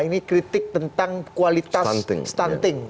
ini kritik tentang kualitas stunting